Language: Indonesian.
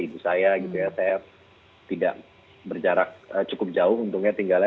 ibu saya tidak berjarak cukup jauh untungnya tinggalnya